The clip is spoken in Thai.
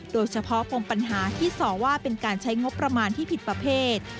ปมปัญหาที่สอว่าเป็นการใช้งบประมาณที่ผิดประเภท